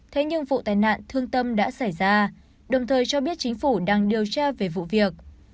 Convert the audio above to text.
thế nhưng vụ tai nạn thương tâm đã xảy ra đồng thời cho biết chính phủ đang điều tra về vụ việc